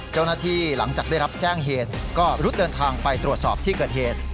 เจ้าหน้าที่หลังจากได้รับแจ้งเหตุก็รุดเดินทางไปตรวจสอบที่เกิดเหตุ